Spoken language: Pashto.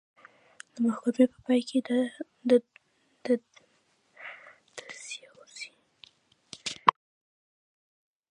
د محکمې په پای کې د سي او سي شرکت وکیل څرګندونې وکړې.